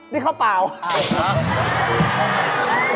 นี่ข้าวเปล่าใช่ครับ